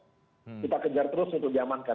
kita kejar terus untuk diamankan